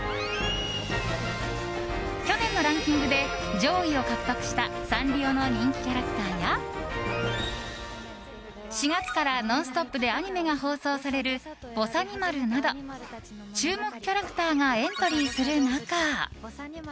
去年のランキングで上位を獲得したサンリオの人気キャラクターや４月から「ノンストップ！」でアニメが放送されるぼさにまるなど注目キャラクターがエントリーする中